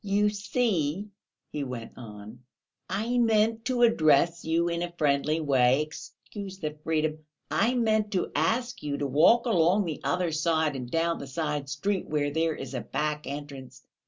"You see," he went on, "I meant to address you in a friendly way.... Excuse the freedom.... I meant to ask you to walk along the other side and down the side street, where there is a back entrance.